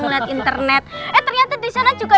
ngelihat internet eh ternyata di sana juga